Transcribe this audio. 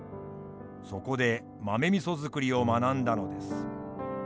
そこで豆味造りを学んだのです。